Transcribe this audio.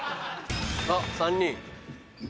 あっ３人。